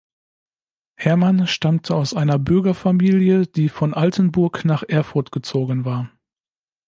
Herrmann stammte aus einer Bürgerfamilie, die von Altenburg nach Erfurt gezogen war.